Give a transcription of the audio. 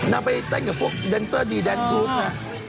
นางไปเต้นกับพวกแดนเซอร์ดีแดนกูธนะ